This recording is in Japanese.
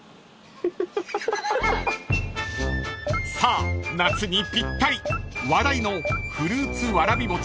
［さあ夏にぴったり話題のフルーツわらび餅